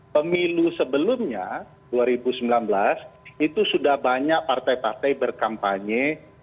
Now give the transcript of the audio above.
pemilu sebelumnya dua ribu sembilan belas itu sudah banyak partai partai berkampanye